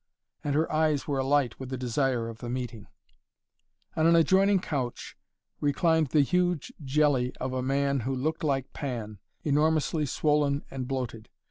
And her eyes were alight with the desire of the meeting. On an adjoining couch reclined the huge jelly of a man who looked like Pan, enormously swollen and bloated.